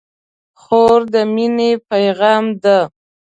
خور د مینې پیغام ده.